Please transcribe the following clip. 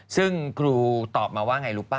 ซึ่งครูตอบมาว่าไงรู้ป่